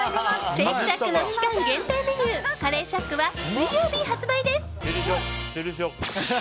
シェイクシャックの期間限定メニューカレーシャックは水曜日発売です。